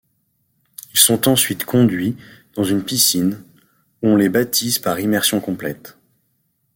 Ils sont ensuite conduits dans une piscine, où on les baptise par immersion complète.